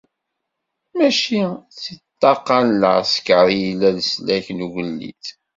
Mačči di ṭṭaqa n lɛesker i yella leslak n ugellid.